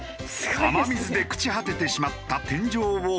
雨水で朽ち果ててしまった天井を解体。